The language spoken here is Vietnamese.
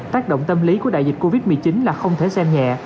tác động tâm lý của đại dịch covid một mươi chín là không thể xem nhẹ